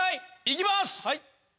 いきます！